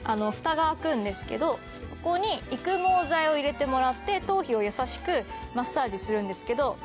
フタが開くんですけどここに育毛剤を入れてもらって頭皮を優しくマッサージするんですけど。